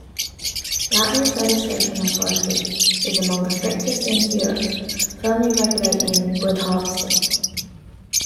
Latvia's legislation on forestry is among the strictest in Europe firmly regulating wood harvesting.